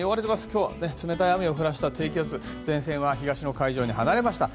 今日は冷たい雨を降らした低気圧前線は東の海上に離れました。